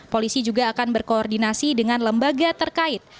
polisi juga akan berkoordinasi dengan lembaga terkait